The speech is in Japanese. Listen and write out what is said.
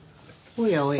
おやおや。